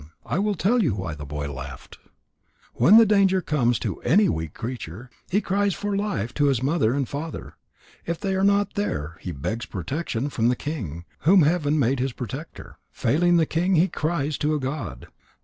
I will tell you why the boy laughed. When danger comes to any weak creature, he cries for life to his mother and father. If they are not there, he begs protection from the king, whom heaven made his protector. Failing the king, he cries to a god.